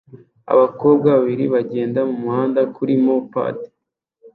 Abakobwa babiri bagenda mumuhanda kuri mo pad